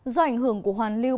do ảnh hưởng của hoàn lưu